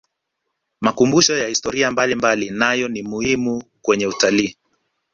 makumbusho ya historia mbalimbali nayo ni muhimu kwenye utalii